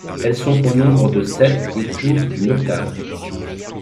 Elles sont au nombre de sept et couvrent une octave.